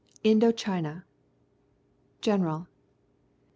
INDO CHINA^<' ct General.